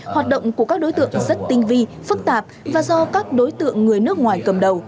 hoạt động của các đối tượng rất tinh vi phức tạp và do các đối tượng người nước ngoài cầm đầu